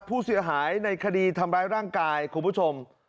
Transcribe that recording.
ผู้เสียหายในคดีทำร้ายร่างกายคุณผู้ชม